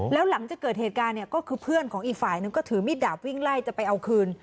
แล้วหลังจากเกิดเหตุการณ์เนี่ยก็คือเพื่อนของอีกฝ่ายนึงก็ถือมีดดาบวิ่งไล่จะไปเอาคืน